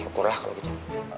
syukurlah kalo gitu